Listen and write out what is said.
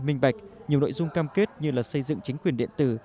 minh bạch nhiều nội dung cam kết như xây dựng chính quyền điện tử